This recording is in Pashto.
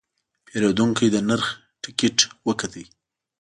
پیرودونکی د نرخ ټکټ وکت.